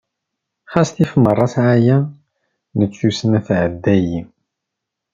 Ɣas tif meṛṛa sɛaya, nekk tussna tɛedda-yi.